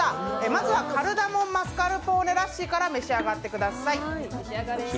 まずはカルダモンマスカルポーネラッシーから召し上がってください。